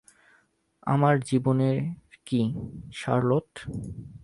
আমার জীবনের কী, শার্লট?